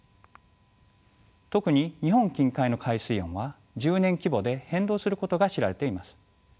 特に日本近海の海水温は１０年規模で変動することが知られています。